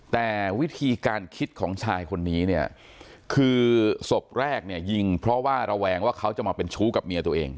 แต่วิธีการคิดของชายคนนี้เนี่ยคือศพแรกเนี่ยยิงเพราะว่าระแวงว่าเขาจะมาเป็นชู้กับเมียตัวเอง